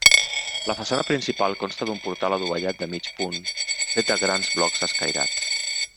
La façana principal consta d'un portal adovellat de mig punt fet de grans blocs escairats.